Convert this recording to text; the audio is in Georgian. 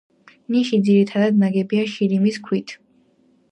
ნიში ძირითადად ნაგებია შირიმის ქვით.